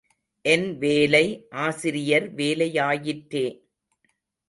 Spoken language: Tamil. என் வேலை ஆசிரியர் வேலையாயிற்றே.